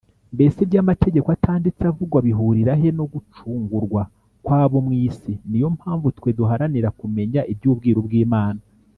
Mbese iby’Amategeko atanditse avugwa bihurirahe no gucungurwa kw’abo mu isi niyo mpamvu twe duharanira kumenya iby’ubwiru bw’Imana.